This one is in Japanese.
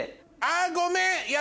あごめん！